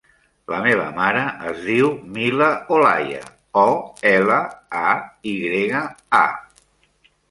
La meva mare es diu Mila Olaya: o, ela, a, i grega, a.